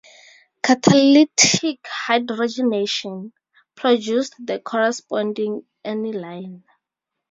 Catalytic hydrogenation produced the corresponding aniline.